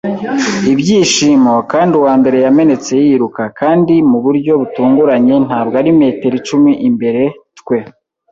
Ibyishimo; kandi uwambere yamenetse yiruka. Kandi mu buryo butunguranye, ntabwo ari metero icumi imbere, twe